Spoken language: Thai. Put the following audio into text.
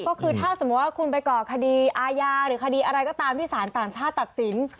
ก็คือถ้าสมมุติว่าคุณไปก่อคดีอาญาหรือคดีอะไรก็ตามที่สารต่างชาติตัดสิน